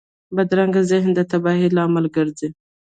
بدرنګه ذهنونه د تباهۍ لامل ګرځي